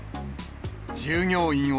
従業員